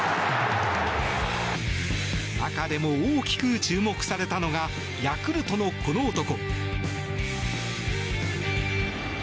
中でも大きく注目されたのがヤクルトのこの男。